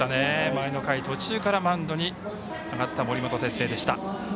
前の回途中からマウンドに上がった森本哲星でした。